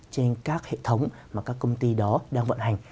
trên các hệ thống mà các công ty đó đang vận hành